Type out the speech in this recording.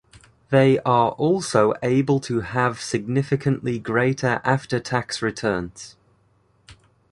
They are also able to have significantly greater after-tax returns.